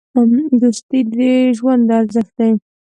دوستي د ژوند ارزښت دی.